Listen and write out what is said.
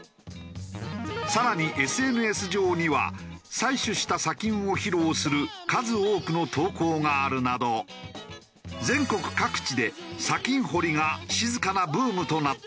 更にＳＮＳ上には採取した砂金を披露する数多くの投稿があるなど全国各地で砂金掘りが静かなブームとなっているのだ。